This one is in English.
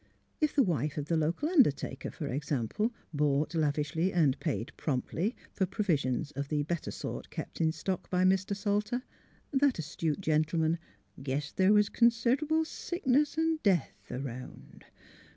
If the wife of the local undertaker, for example, bought lavishly and paid promptly for provisions of the better sort kept in stock by Mr. Salter, that astute gentleman " guessed the' was consid'able sickness an' death 'round."